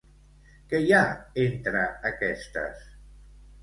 Qui hi ha entre aquestes?